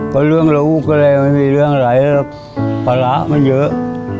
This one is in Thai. ก็เรื่องลูกก็เลยไม่มีเรื่องอะไรหรอกภาระมันเยอะ